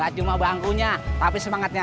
cuma bangkunya tapi semangatnya